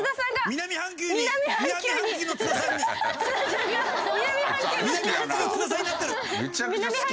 「南半球の津田さんになってる」。